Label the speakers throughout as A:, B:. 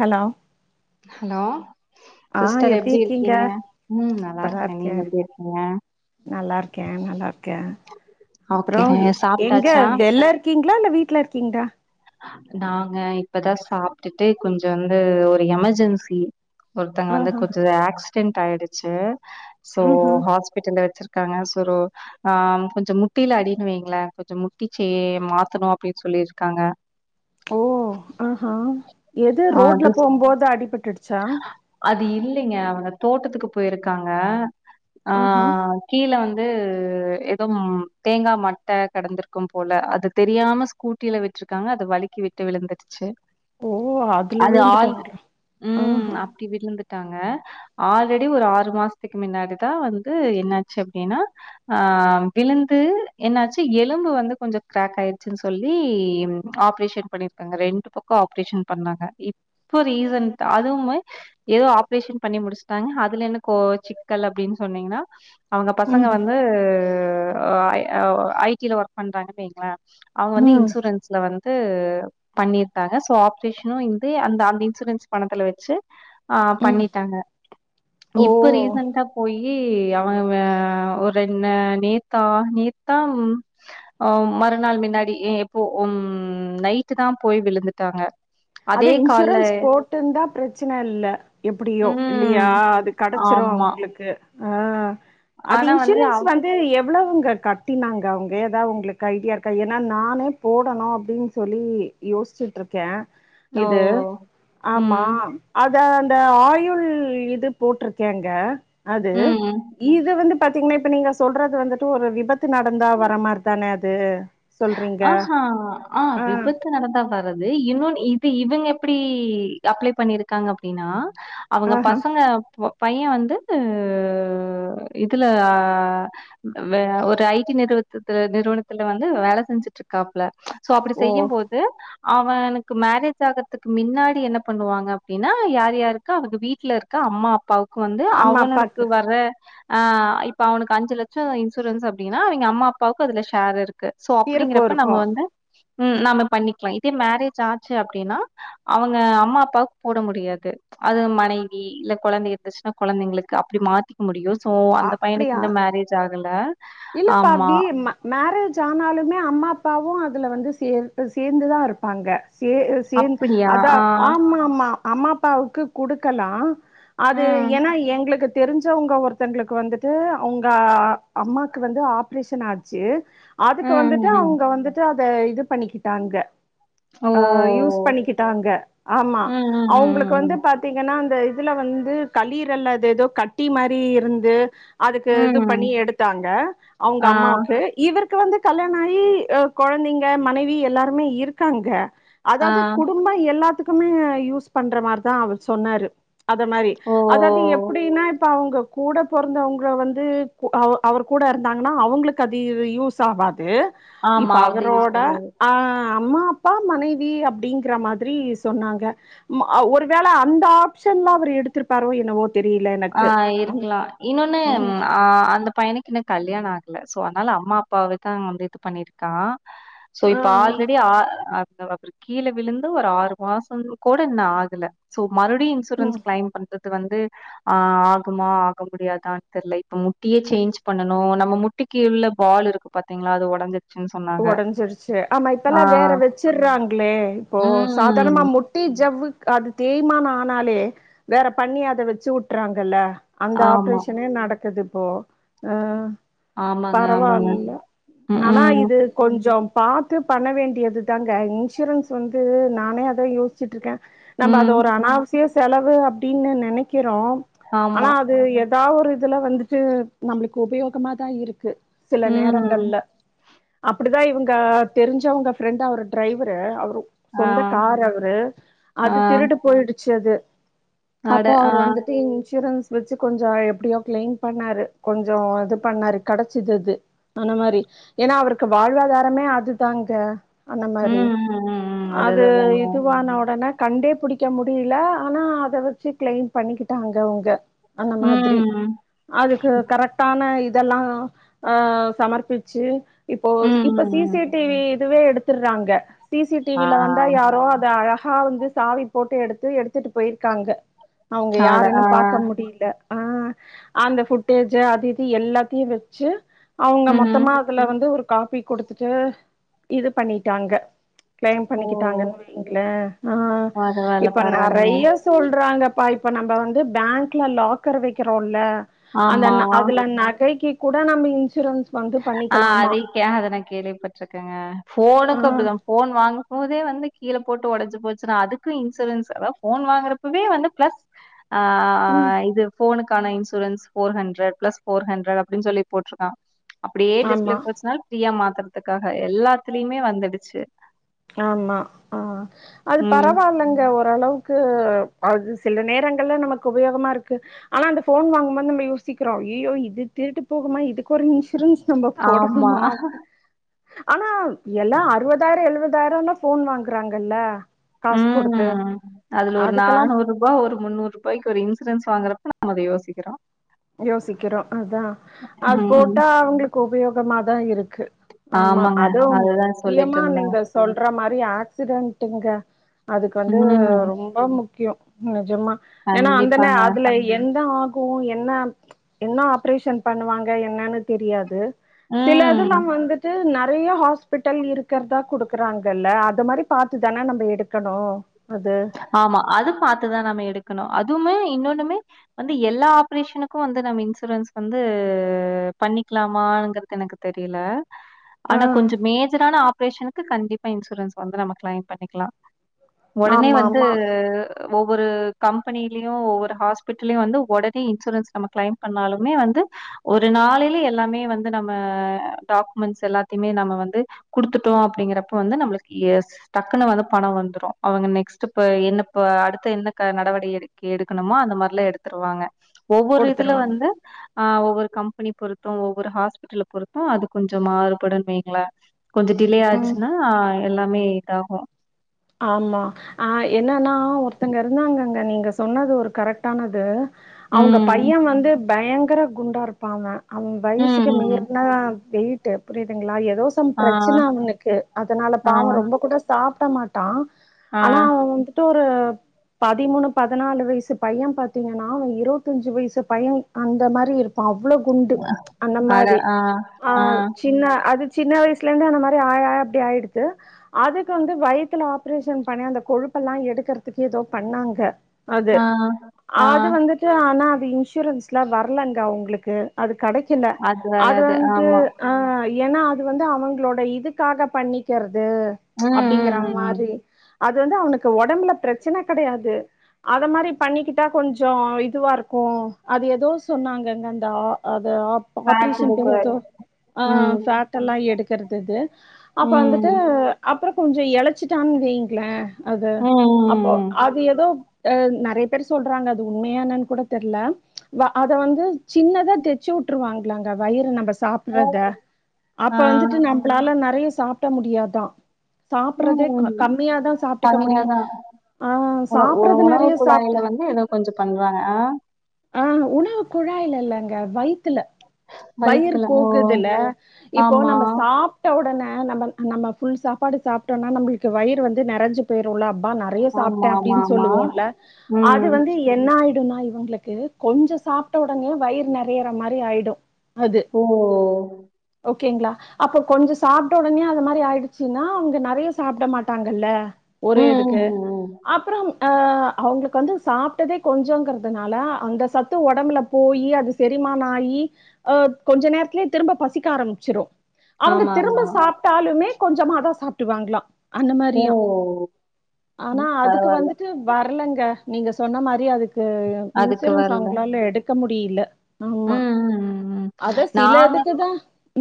A: Hello
B: hello sister எப்டி இருக்கீங்க ம் நல்லா
A: சூப்பரா
B: இருக்க
A: இருக்கே
B: நீங்க எப்டி இருக்கீங்க
A: நல்லா இருக்க நல்லா இருக்க அப்புறோ
B: ஓகே
A: எங்க
B: சாப்ட்டாச்சா?
A: வெள்ளர் இருக்கீங்களா இல்ல வீட்ல இருக்கீங்களா
B: நாங்க இப்பதா சாப்ட்டுட்டு கொஞ்சோ வந்து ஒரு எமெர்ஜென்சி ஒருத்தவுங்க வந்து
A: ஆஹா
B: கொஞ்சோ ஆக்சிடென்ட் ஆயிடுச்சு சோ
A: ம்ஹும்
B: ஹாஸ் பிட்டல்ல வெச்சிருக்காங்க சொரு ஆ கொஞ்சோ முட்டில அடின்னு வைங்களே கொஞ்சோ முட்டிச்ச மாத்தணோ அப்டின்னு சொல்லியிருக்காங்க
A: ஓ ஆஹா எது ரோட்ல
B: அது
A: போம்போது அடிபட்டுடுச்சா
B: அது இல்லைங்க அவுங்க தோட்டத்துக்கு போயிருக்காங்க ஆ
A: ஆஹா
B: கீழே வந்து ஏதோ ம் தேங்கா மட்ட கெடந்திருக்கோ போல அது தெரியாம கூட்டில விட்டுருக்காங்க அது வழுக்கி விட்டு விழுந்துடுச்சு
A: ஓ அதுல விழுந்துட்டாங்களா
B: ம்
A: ஆஹா
B: அப்டி விழுந்துட்டாங்க ஆல்ரெடி ஒரு ஆறு மாசத்துக்கு மின்னாடிதா வந்து என்னாச்சு அப்டீன்னா ஆ விழுந்து என்னாச்சு எலும்பு வந்து கொஞ்சோ கிராக் ஆயிடுச்சுன்னு சொல்லி ஆப்ரேஷன் பண்ணிருக்காங்க ரெண்டு பக்கோ ஆப்ரேஷன் பண்ணாங்க இப்போ ரீசன்ட் அதுவுமே ஏதோ ஆப்ரேஷன் பண்ணி முடிச்சுட்டாங்க அதுல என்ன கோ சிக்கல் அப்டீன்னு சொன்னீங்கன்னா அவுங்க பசங்க
A: ம்
B: வந்து வ ஓ ஐ டி ல ஒர்க் பண்றாங்க வைங்களே அவுங்க வந்து
A: ம்
B: இன்சூரன்ஸ்ல வந்து பண்ணிருக்காங்க சோ ஆப்ரேஷனோ இந்து அந்த அந்த இன்சூரன்ஸ் பணத்துல வெச்சு ஆ
A: ம்
B: பண்ணிட்டாங்க இப்ப
A: ஓ
B: ரீசண்ட்டா போயி அவ இவ ஒரு என்னா நேத்தா நேத்தா ஓ மறுநாள் மின்னாடி எப்போ ம் நைட்டுதா போய் விழுந்துட்டாங்க அதே கால்ல
A: மட்டுந்தா பிரச்சன இல்ல எப்பிடியோ இல்லையா
B: ம்.
A: அது கெடச்சிரோ
B: ஆமா.
A: அவுங்குளுக்கு ஆ அது
B: ஆனா வந்து
A: இன்சூரன்ஸ்
B: அவ்
A: வந் து எவ்வளவுங்க கட்டினாங்க அவங்க ஏதா உங்களுக்கு ஐடியா இருக்கா ஏன்னா நானே போடணு அப்டின்னு சொல்லி யோச்சுட்டுருக்கே
B: ஓ!
A: இது ஆமா
B: ம்.
A: அதா அந்த ஆயுள் இது போட்ருக்கேங்க அது
B: ம்.
A: இது வந்து பாத்தீங்கன்னா இப்ப நீங்க ச் சொல்றது வந்துட்டு ஒரு விபத்து நடந்தா வர மாரி தான அது சொல்றீங்க
B: ஆஹா ஆ விபத் து நடந்தா வர்றது இவ இது இவங்க எப்டி அப்ளை பண்ணிருக்காங்க அப்டின்னா அவங்க
A: ஆஹா
B: பசங்க பு பைய வந்து இதுல வ ஒரு ஐ டி நிறுவத்துல நிறுவனத்துல வந் து வேல செஞ்சுட்டுருக்காப்புல சோ அப்டி
A: ஓ
B: செய்யும் போது அவனுக்கு மாரேஜ் ஆகுறதுக்கு மின்னாடி என்ன பண்ணுவாங்க அப்டின்னா யார் யார் க்க அவக்கு வீட்ல இருக்க அம்மா அப்பாவுக்கு வந்து
A: அம்மா அப்பாக்கு
B: அவனடுக்கு வர்ற ஆ இப்ப அவனுக்கு அஞ்சு லட்சோ இன்சூரன்ஸ் அப்டின்னா அவங்க அம்மா அப்பாவுக்கு அதுல ஷேர் இரு சோ
A: இருக்கு
B: அப்டிங்கறப்ப நம்ம
A: இருக்கு
B: வந்து ம் நாம பண்ணிக்லா இதே மாரேஜ் ஆச்சு அப்டின்னா அவங்க அம்மா அப்பாவுக் போட முடியாது அது மனைவி இல்ல கொழந்த இருந்துச்சுன்னா கொழந்தைங்களுக்கு அப்டி மாத் திக்க முடியு சோ அந்த பையனுக்கு
A: அப்டியா
B: இன்னு மாரேஜ் ஆகல
A: இல்லப்பா
B: ஆமா.
A: வீ மா மாரேஜ் ஆனாலுமே அம்மா அப்பாவு அதுல வந்து சேர் சேர்ந்துதா இருப்பாங்க சே சேந்
B: அப்டியா?
A: அதா
B: ஆ.
A: ஆமா ஆமா அம்மா அப்பாவுக்கு குடுக்கலா அது
B: ம்.
A: ஏன்னா எங்களுக்கு தெரிஞ்சவுங்க ஒருத்தங்களுக்கு வந்துட்டு அவுங்க அம்மா க்கு வந்து ஆப்ரேஷன் ஆச்சு அதுக்கு
B: ம்,
A: வந்துட்டு
B: ம், ம்.
A: அவங்க வந்துட்டு அத இது பண்ணிக்கிட்டாங்க
B: ஓ!
A: அ யூஸ் பண்ணிக்கிட்டாங்க ஆமா
B: ம், ம்,
A: அவுங்களுக்கு
B: ம்,
A: வந்து
B: ம்.
A: பாத்தீங்கன்னா அந்த இதுல வந்து கல்லீரல்ல அது ஏதோ கட்டி மாரி இருந்து அதுக்கு இது
B: ம்.
A: பண்ணி எடுத்தாங்க அவுங்க
B: ஆ,
A: அம்மாவுக்கு இவருக்கு வந்து கல்யாணோ ஆயி கொழந்தைங்க மனைவி எல்லாருமே இருக்காங்க
B: ஆ.
A: அதாவ்து குடும்ப எல்லாத்துக்குமே யூஸ் பண்ற மாரிதா அவரு சொன்னாரு அத மாரி
B: ஓ!
A: அதாவ்து எப்டின்னா இப்ப அவங்க கூட பொறந்தவங்க வந்து அவ அவர் கூட இருந்தாங்கன்னா அவங்களுக்கு அது வு யூஸ் ஆகாது இப்ப
B: ஆமா. அது
A: அவரோட
B: யூஸ்
A: ஆ அம்மா அப்பா மனைவி அப்டிங்கிற மாதிரி சொன்னாங்க ம ஒருவேள அந்த ஆப்ஷன்ல அவரு எடுத்திருப்பாரோ என்னவோ தெரியல
B: ஆ
A: எனக்கு ம்
B: இருக்குலா இன்னொன்னு
A: ம்
B: ம்மா ஆ அந்த பையனுக்கு இன்னு கல்யாண ஆகல சோ அத்னால அம்மா அப்பாவத்தா வந்து இது பண்ணி க்கா சோ
A: ஆ
B: இப்ப ஆல்ரெடி ஆ அ அ அவரு கீழ விழுந்து ஒரு ஆறு மாச கூட இன்னு ஆகல சோ மறுப்டியு சூரன்ஸ்
A: ம்
B: க்ளைம் பண்றது வந்து ஆ ஆகுமா ஆக முடியாதா தெர்ல இப்ப முட்டியே சேஞ்ச் பண்ணணு நம்ம முட்டிக்கி உள்ள பால் இருக் பாத்தீங்ளா அது ஒடஞ்சு
A: ஒடஞ்சிருச்சு ஆமா இப்பல்லா வேற வெச்சிட்றாங்ளே இப்போ சாதார்ணமா
B: ம்.
A: முட் டி ஜவ்வு அது தேய்மான ஆனாலே வேற பண்ணி அத வெச்சு உட்றாங்கல்ல அந்த
B: ஆமா.
A: ஆப்ரேஷனே நடக்குதுப்போ அ
B: ஆமாங்க, ம்.
A: பரவா
B: ஆமாங்க.
A: இல்ல
B: ம்,
A: ஆனா இ
B: ம்.
A: கொஞ்சோ பாத்து பண்ண வேண்டியது தாங்க இன்சூரன்ஸ் வந்து நானே அதா யோஸ்ச்சுட்ருக்க நம்ப அது
B: ம்.
A: ஒரு அனாவசிய செலவு அப்டின்னு நெனக்கிறோ ஆனா
B: ஆமா.
A: அது எ தா ஒரு இதுல வந்துட்டு நம்ப்ளுக்கு உபயோகமா தா இருக்கு சில
B: ம்.
A: நேரங்கள்ல அப்படிதா இவுங்க தெரிஞ்சவுங்க ஃப்ரெண்ட் அவர் ட்ரைவரு அவரு
B: ஆ.
A: சொந்த கார் அவரு அது
B: ஆ.
A: திருடு போயிடுச்சு அது
B: அட
A: அப்போ
B: ஆ.
A: அவுரு வந்துட்டு இன்சூரன்ஸ் வச்சு கொஞ்சோ எப்பிடியோ க்ளைம் பண்ணாரு கொஞ்சோ இது பண்ணாரு கெடச்சிது அது சொன்ன மாரி ஏன்னா அவருக்கு வாழ்வாதாரமே அது தாங்க அந்த
B: ம்,
A: மாரி
B: ம், ம், ம்.
A: அது
B: அதுதாங்க.
A: இதுவான ஒடனே கண்டே புடிக்க முடியல ஆனா அத வச்சு க்ளைம் பண்ணிக்கிட்டாங்க அவுங்க அந்த
B: ம்,
A: மாதிரி
B: ம்,
A: அதுக்கு கரெக்ட் ட்டான இதெல்லா ஆ சமர்ப்பிச்சு இப்போ
B: ம்,
A: இப்ப சி சி
B: ம்.
A: டி வி இதுவே எடுத்துட்றாங்க சி சி டி
B: ஆ.
A: வி ல வந்தா யாரோ அ து அழகா வந்து சாவி போட்டு எடுத்து எடுத்துட்டு போயிருக்காங்க அவுங்க
B: அட
A: யாருன்னு
B: ஆ.
A: பாக்க முடியில அ அந்த ஃபுட்டேஜ்ஜு அது இது எல்லாத்தையு வெச்சு அவ்ங்க
B: ம்.
A: மொத்தமா அதுல வந்து ஒரு காபி குடுத்துட்டு இது பண்ணிட்டாங்க க்ளைம்
B: ஓ!
A: பண்ணிக்கிட்டாங்கன்னு வைங்ளே ஆ
B: பரவால்ல,
A: இப்ப
B: பரவால்லங்க.
A: நறைய சொல்றாங்கப்பா இப்ப நம்ப வந்து பேங்க்ல லாக்கர் வைக்கிறோல்ல அந்த
B: ஆமா.
A: ந அதுல நகைக்கி கூட நம்ப இன்சூரன்ஸ் வந்து பண்ணிக்கலாமா
B: ஏ அத நா கேள்விப்பட்ருக்கங்க
A: ஆ
B: ஃபோனுக்கு அப்டிதா ஃபோன் வாங்கும் போதே வந்து கீழ போட்டு ஒடஞ்சு போச்சுன்னா அதுக்கு இன்சூரன்ஸ் அதா ஃபோன் வாங்குறப்பவே வந்து ப்ளஸ் ஆ ஆ
A: ம்
B: இது ஃபோனு க்கான insurance four hundred plus four hundred அப்டிஞ் சொல்லி போட்ருக்கா அப்டியே டிஸ்பிளே
A: ஆமா
B: போச்சுனாலு ஃப்ரீயா மாத்தறத்துக்காக எல்லாத்துலியுமே வந்துடுச்சு
A: ஆமா ஆ அது
B: ம்.
A: பரவால்லங்க ஓரளவு க்கு அது சில நேரங்கள்ல நமக்கு உபயோகமா இருக்கு ஆனா அந்த ஃபோன் வாங்கும்போது நம்ம யோசிக்கிறோ ஐயயோ இது திருட்டு போகுமா இதுக்கு ஒரு இன்சூரன்ஸ் நம்ப
B: ஆமா.
A: போடனுமா அப்டி ஆனா எல்லா அறுவதாயிரோ எழுவதாயிரோனா ஃபோன் வாங்குறாங்கல்ல காசு குடுத்து அதுக்கல்லா
B: ருவா ஒரு முன்னூருபாய்க்கு ஒரு இன்சூரன்ஸ் வாங்குறப்ப நம்ம அத யோசிக்கிறோ
A: யோசிக்கிறோ அதா அது
B: ம், ம்.
A: போட்டா அவுங்ளுக்கு உபயோகமாதா இருக்கு ஆமா
B: ஆமாங்க.
A: அதவு
B: அதுதான் சொல்லிட்டு
A: முக்கியமா
B: இருந்தேன்.
A: நீங்க சொல்ற மாரி ஆக்சிடென்ட்டுங்க அதுக்கு வந்து
B: ம்.
A: ரொம் ப முக்கியோ நெஜமா ஏனா அந்தனே
B: கண்டிப்பாங்க.
A: அதுல எந்த ஆகு என்ன என்ன ஆப்ரேஷன் பண்ணுவாங்க என்னனு தெரியாது சில
B: ம்.
A: இதுல்லா வந்து ட்டு நறைய ஹாஸ்பிட்டல் இருக்கறதா குடுக்குறாங்கல்ல அது மாரி பாத்துதான நம்ப எடுக்கணு அது
B: ஆமா அது பாத்துதா நம்ம எடுக்கணு அதுமே இன்னொண்ணுமே வந்து எல்லா ஆப்ரேஷனுக்கு வந்து நம்ம இன்சூரன்ஸ் வந்து பண்ணிக்கலாமாங்கறது எனக்கு தெரியல
A: ஆ
B: ஆனா கொஞ்சோ மேஜரான ஆப்ரேஷனுக்கு கண்டிப்பா இன்சூரன்ஸ் வந்து நம்ம க்ளைம் பண்ணிக்கலா உடனே
A: ஆமா
B: வந்து
A: ஆமா
B: ஒவ்வொரு கம்பெனிலயு ஒவ்வொரு ஹாஸ்பிட்டலயு வந்து உடனே இன்சூரன்ஸ் நம்ம க்ளைம் பண்ணாலுமே வந்து ஒரு நாளைல எல்லாமே வந்து நம்ம டாக்குமெண்ட்ஸ் எல்லாத்தையுமே நம்ம வந்து குடுத்துட்டோ அப்டிங்கறப்ப வந்து நம்ளுக்கு டக்குன்னு வந்து பணோ வந்துரு அவங்க நெ நெக்ஸ்டு இப்ப என்னப்ப அடுத்த என்ன நடவடி எடு எடுக்கணுமோ அந்த மாரிலா எடுத்துருவாங்க ஒவ்வொரு இதுல
A: குடுத்துருவாங்க
B: வந்து ஆ ஒவ்வொரு கம்பெனி பொருத்து ஒவ்வொரு ஹாஸ்பிட்டல்ல பொருத்து அது கொஞ்சோ மாறுபடு வைங்ள கொஞ்சோ டிலே
A: ம்
B: ஆச்சுன்னா எல்லாமே இதாகு
A: ஆமா ஆ என்னன்னா ஒருத்தங்க இருந்தாங்கங்க நீங்க சொன்னது ஒரு கரெக்டானது அவுங்க
B: ம்.
A: பைய வந்து பயங்கர குண்டா இருப்பாங்க அவ
B: ம்,
A: வய்சுக்கு
B: ம்.
A: மீற்ன வெயிட்டு புரிதுங்ளா எதோ சம்
B: ஆ,
A: ப்ரச்சன அவுனுக்கு அதனால
B: ஆ,
A: பாவோ ரொம்ப கூட சாப்ட மாட்டா
B: ஆ.
A: ஆனா அவ வந்து டு ஒரு பதிமூணு பதனாலு வய்சு பைய பாத்தீங்கனா அவ இருவத்தஞ்சு வய்சு பைய அந்தமாரி இருப்பா அவ்ளோ குண்டு
B: அட!
A: அந்தமாரி
B: ஆ,
A: ஆ சின்ன அது சின்ன வய்சுல இருந்து அந்தமாரி ஆய் ஆய் அப்டி ஆய்டுது அதுக்கு வந்து வய் த்துல ஆப்ரேஷன் பண்ணி அந்த கொழுப்பல்லா எடுக்கறதுக்கு எதோ பண்ணாங்க அது
B: ஆ, ஆ.
A: அது வந்துட்டு ஆனா அது இன்சூரன்ஸ்லா வர்லங்க அவ்ங்ளுக்கு அது கடைக்கல அது
B: வராது.
A: வந்ட்டு
B: ஆமா.
A: ஆ எனா அது வந்து அவங்களோட இதுக்காக பண்ணிக்கிறது
B: ம், ம்,
A: அப்டிங்கறாங்
B: ம்.
A: அது வந்து அவனுக்கு ஒடம்புல ப்ரச்சன கடையாது அதமாரி பண்ணிக்கிட்டா கொஞ்சோ இதுவா இருக்கு அது எதோ சொன்னாங்கங்கந்தா அது ஆப்
B: பாட்டு
A: ஆப்ரேஷன்
B: டெக்கோரேட்.
A: பேரெதோ ஆ
B: ம்,
A: ஃபேட் லா எடுக்கறது அது அப்ப வந்துட்டு
B: ம்,
A: அப்புறோ கொஞ்சோ எழச்சிட்டான் வைங்ள அது
B: ம், ம்,
A: அப்போ
B: ம்.
A: அது எதோ அ நறைய பேர் சொல்றாங்க அது உண்மையா என்னான் கூட தெர்ல அத வந்து சின்னதா தெச்சு உட்டுருவாங்ளாங்க வயிறு நம்ப
B: ஓ!
A: சாப்புற்றத அப்ப
B: ஆ,
A: வந்துட்டு நம்ளால நறைய சாப்ட முடியாதா சாப்பற்றதே
B: ம்.
A: கம்மியாதா சாப்டுக்க
B: கம்மியா
A: முடியுமா
B: தான்.
A: ஆ சாப்பறது நறைய சாப்ட
B: கொஞ்சோ பண்றாங்க ஆ
A: ஆ உணவு குழாய்ல இல்லங்க வய்த்துல வயிறு
B: வயித்துல. ஓ!
A: போகுதுல்ல இப்போ
B: ஆமா.
A: நம்ம சாப் ட உடனே நம்ம நம்ம ஃபுல் சாப்பாடு சாப்ட்டோனா நம்ளுக்கு வயிறு வந்து நறஞ்சு பேர் உள்ள அப்பா நறைய
B: ஆமா,
A: சாப்ட்டே
B: ஆமா,
A: அப்டின்
B: ஆமா.
A: சொல்லுவோல்ல அது
B: ம்.
A: வந்து என்ன ஆய்டுனா இவுங்ளுக் கொஞ்சோ சாப்ட்ட உடனே வயிற் நறையற மாரி ஆய்டு அது
B: ஓ!
A: ஓகேங்ளா அப்ப கொஞ்சோ சாப்ட்ட உடனே அந்த மாரி ஆய்டுச்சுனா அவுங்க நறைய சாப்ட மாட்டாங்கள்ல
B: ம்,
A: ஒரே
B: ம்,
A: இதுக்கு
B: ம், ம்.
A: அப்புறோ அவுங் ஆ அவுங்களுக்கு வந்து சாப்ட்டதே கொஞ்சங்கறதுனால அந்த சத்து ஒடம்புல போயி அது செரிமானோ ஆயி ஆ கொஞ்ச நேரத்துலயே திரும்ப பசிக்க ஆரம்மிச்சிரு அவுங்க
B: ஆமா, ஆமா,
A: திரும்ப
B: ஆமா.
A: சாப்ட்டாலுமே கொஞ்சமாதா சாப்புடுவாங்ளா அந்த
B: ஓ!
A: மாரியா ஆனா
B: ம்.
A: அதுக்கு
B: பரவால்ல.
A: வந்துட்டு வரலங்க நீங்க சொன்ன மாரி அதுக்கு
B: அதுக்கு
A: இன்சூரன்ஸ்
B: வரல.
A: அவுங்ளால எடுக்க முடில
B: ம்,
A: ஆமா
B: ம், ம், ம்.
A: அதா சில
B: நாங்க
A: இதுக்குதா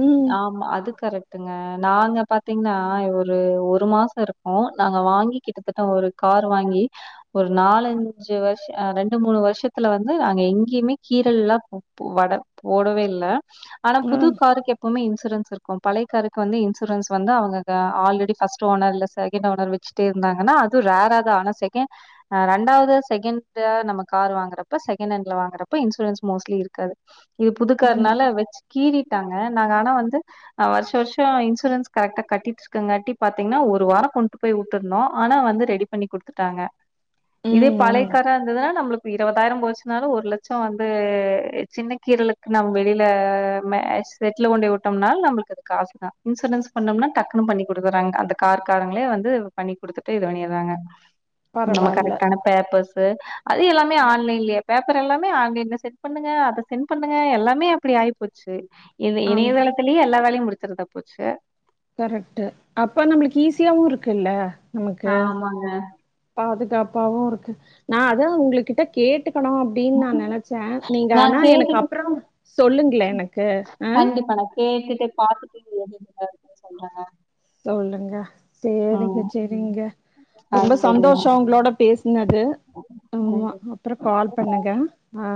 A: ம்
B: ஆமா அது கரெக்ட் இங்க நாங்க பாத்தீங்கனா ஒரு ஒரு மாசோ இருக்கோ நாங்க வாங்கி கிட்டத்தட்ட ஒரு கார் வாங்கி ஒரு நாலஞ்சு வருஷம் ரெண்டு மூணு வருஷத்துல வந்து நாங்க எங்கேயுமே கீரல்லா வட போடவே இல்ல ஆனா
A: அ.
B: புது காருக்கு எப்பவுமே இன்சூரன்ஸ் இருக் கு பழையக்காருக்கு வந்து இன்சூரன்ஸ் வந்து அவங்க ஆல்ரெடி ஃபர்ஸ்ட் ஓனர் இல்ல செகண்ட் ஓனர் வெச்சு இருந்தாங்கன்னா அது ரேராத ஆனா செகேண்ட் ரெண்டாவது செகண்ட்ஸ நம்ம கார் வாங்குறப்ப செகண்ட் ஹேண்ட்ல வாங்குறப்ப இன்சூரன்ஸ் மோஸ் ட்லி இருக்காது இது புதுக்கார்னால வெச்சு கீறிட்டாங்க நாங்க ஆனா வந்து வர்ஷோ வர்ஷோ இன்சூரன்ஸ் கரெக்டா கட்டிட்டு இருக்கங்காட்டி பாத்தீங்கன்னா ஒரு வாரோ கொண்டு போய் வுட்டுருந்தோ ஆனா வந்து ரெடிப் பண்ணி குடுத்துட்டாங்க இதே
A: ம், ம்.
B: பழையக்கார இருந்ததுன்னா நம்மளுக்கு இருவதாயிரம் போச்சுனாலு ஒரு லட்சம் வந்து சின்ன கீரலுக்கு நம்ம வெளியில செட்டுல கொண்டி வுட்டோம்னாலு நம்ளுக்கு அது காசுதா இன்சூரன்ஸ் பண்ணோம்னா டக்குன்னு பண்ணி குடுக்குறாங்க அந்த கார்காரங்களே வந்து பண்ணி குடுத்துட்டு இத பண்ணிறாங்க நம்ம
A: பரவால்ல.
B: கரெக்டான பேப்பர்ஸ்சு அது எல்லாமே ஆன்லைன்லே பேப்பர் எல்லாமே ஆன்லைன்ல செண் பண்ணுங்க அத சென்டு பண்ணுங்க எல்லாமே அப்டி ஆயி போச் ச்சு இது
A: ஆமா.
B: இணையதளத்திலயே எல்லா வேலையு முடிச்சிருந்தா போச்சு
A: கரெக்ட் அப்ப நம்மளுக்கு ஈஸியாவு இருக்கு இல்ல நமக்கு
B: ஆமாங்க
A: பாதுகாப்பாவு இருக்கு நா அத உங்களுகிட்ட கேட்டுக்கணு அப் அப்டின் நா நெனைச்சே நீங்க
B: நா
A: ஆனா எனக்கு
B: கேட்டுட்டு
A: அப்பறம் சொல்லுங்களே எனக்கு ஆ
B: கண்டிப்பா நா கேட்டுட்டு பாத்துட்டு எதுன்னு [inaudible] சொல்றங்க
A: சொல்லுங்க சேரிங்க செரிங்க
B: ஆ
A: ரொம்ப
B: செரிங்க
A: சந்தோஷோ உங்களோட பேசினது ஆமா அப்பறோ கால்
B: எனக்கு
A: பண்ணுங்க ஆ